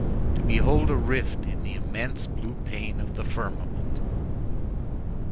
to behold a rift in the immense blue pane of the firmament!